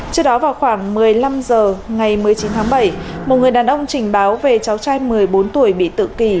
trước đó vào khoảng một mươi năm h ngày một mươi chín tháng bảy một người đàn ông trình báo về cháu trai một mươi bốn tuổi bị tự kỳ